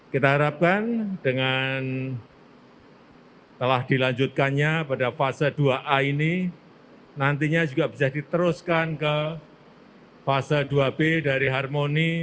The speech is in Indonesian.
kita harapkan dengan telah dilanjutkannya pada fase dua a ini nantinya juga bisa diteruskan ke fase dua b dari harmoni